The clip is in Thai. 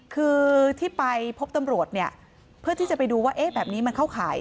คือที่ไปพบตำรวจเนี่ยเพื่อที่จะไปดูว่าแบบนี้มันเข้าข่าย